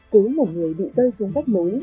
cứu một người bị rơi xuống vách mối